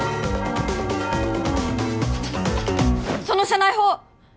その社内報！